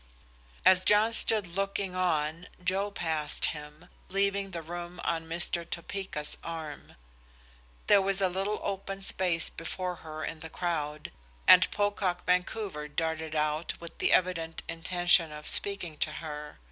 As John stood looking on, Joe passed him, leaving the room on Mr. Topeka's arm. There was a little open space before her in the crowd, and Pocock Vancouver darted out with the evident intention of speaking to her.